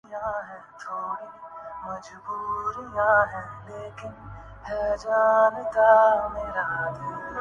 ار K studios کی فروخت پر کپور خاندان افسردہ